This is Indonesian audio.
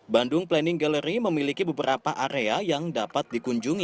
bandung planning gallery memiliki beberapa area yang dapat dikunjungi